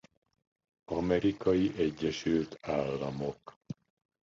Amerikai Egyesült Államok